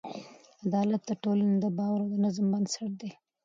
عدالت د ټولنې د باور او نظم بنسټ دی.